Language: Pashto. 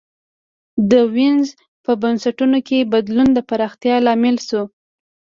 د وینز په بنسټونو کي بدلون د پراختیا لامل سو.